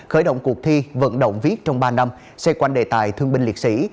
khởi động cuộc thi vận động viết trong ba năm xoay quanh đề tài thương binh liệt sĩ